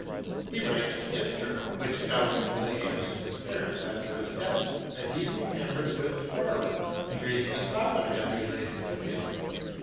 Pie writes in this journal, which fell into the hands of his parents after his death, that he remembered, with horror, a dream his father had related to him.